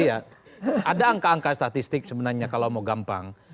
iya ada angka angka statistik sebenarnya kalau mau gampang